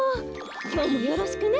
きょうもよろしくね。